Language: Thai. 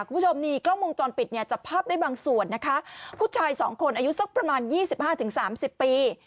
คุณผู้ชมนี่กล้องวงจรปิดเนี่ยจับภาพได้บางส่วนนะคะผู้ชายสองคนอายุสักประมาณยี่สิบห้าถึงสามสิบปี